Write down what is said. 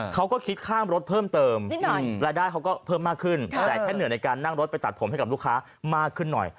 เขาก็คิดค่ารถเพิ่มเติมรายได้เขาก็เพิ่มมากขึ้นแต่แค่เหนื่อยในการนั่งรถไปตัดผมให้กับลูกค้ามากขึ้นหน่อย